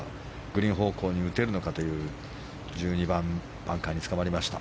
グリーン方向に打てるのかという１２番バンカーにつかまりました。